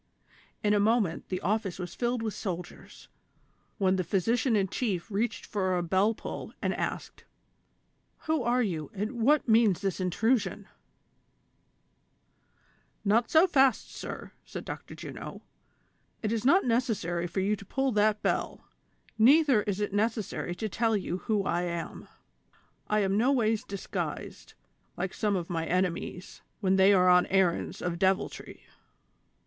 In a moment the office was filled with soldiers, when the physician in chief readied for a bell pull and asked :" Who are you, and what means this intrusion ?" "Not so fast, sir," said Dr. Juno ; "it is not necessary for you to pull that bell, neither is it necessary to tell you who I am. I am no ways disguised, like some of my ene mies, when they are on errands of deviltry.